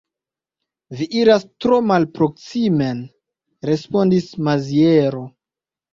Vi iras tro malproksimen, respondis Maziero.